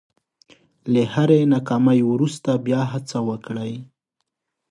له هرې ناکامۍ وروسته بیا هڅه وکړئ.